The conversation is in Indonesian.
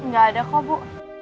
gak ada kok bu